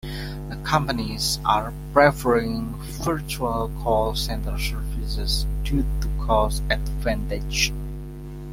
The companies are preferring Virtual Call Centre services due to cost advantage.